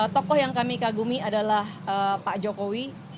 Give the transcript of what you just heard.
tokoh yang kami kagumi adalah pak jokowi